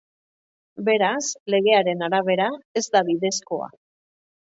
Beraz, legearen arabera ez da bidezkoa.